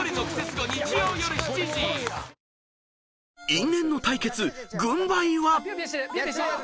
［因縁の対決軍配は］